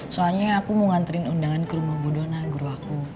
soalnya aku mau nganterin undangan ke rumah bu dona guru aku